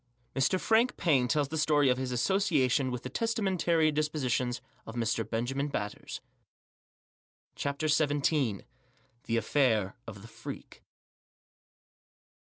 MR FRANK PAINE TELLS THE STORY OF HIS ASSOCIA TION WITH THE TESTAMENTARY DISPOSITIONS OF MR, BENJAMIN BATTERS. CHAPTER XVII. THE AFFAIR OF THE FREAK.